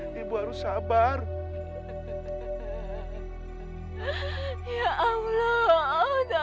kamu juga harus pergi dari rumah ini